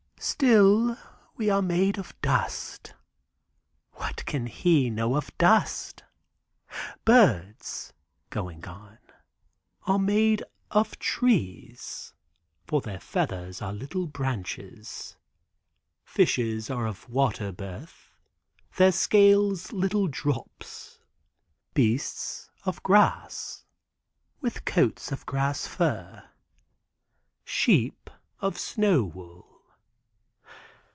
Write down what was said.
"Still we are made of dust!" (What can he know of dust?) "Birds," going on, "are made of trees, for their feathers are little branches. Fishes are of waterbirth—their scales little drops. Beasts of grass, with coats of grass fur. Sheep of snow wool."